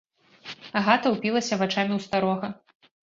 Агата ўпілася вачамі ў старога.